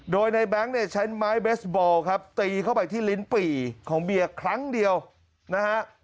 โดยในแบงค์เนี่ยใช้ไม้เบสบอลครับตีเข้าไปที่ลิ้นปี่ของเบียร์ครั้งเดียวนะฮะ